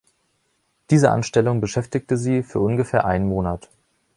Diese Anstellung beschäftigte sie für ungefähr ein Monat.